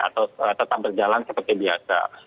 atau tetap berjalan seperti biasa